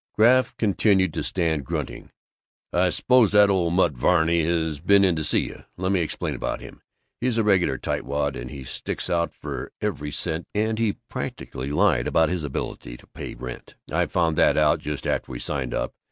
Graff continued to stand, grunting, "I suppose that old nut Varney has been in to see you. Let me explain about him. He's a regular tightwad, and he sticks out for every cent, and he practically lied to me about his ability to pay the rent I found that out just after we signed up.